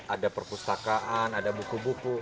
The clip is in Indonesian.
ada perpustakaan ada buku buku